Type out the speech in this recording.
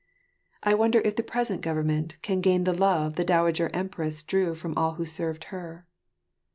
I wonder if the present government can gain the love the Dowager Empress drew from all who served her.